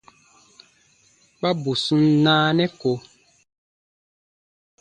Kpa bù sun naanɛ ko.